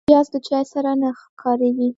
پیاز د چای سره نه کارېږي